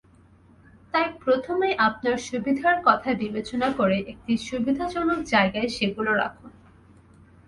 তাই প্রথমেই আপনার সুবিধার কথা বিবেচনা করে একটি সুবিধাজনক জায়গায় সেগুলো রাখুন।